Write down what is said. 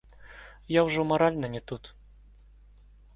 Я ўжо маральна не тут.